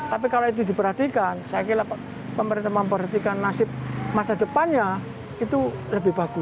tapi kalau itu diperhatikan saya kira pemerintah memperhatikan nasib masa depannya itu lebih bagus